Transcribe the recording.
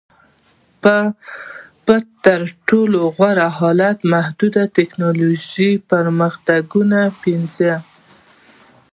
په تر ټولو غوره حالت کې محدود ټکنالوژیکي پرمختګونه پنځوي